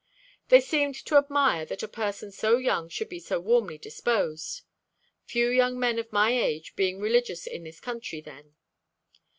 They seemed to admire that a person so young should be so warmly disposed; few young men of my age being religious in this country then.